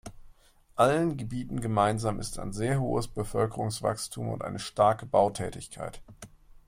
Allen Gebieten gemeinsam ist ein sehr hohes Bevölkerungswachstum und eine starke Bautätigkeit.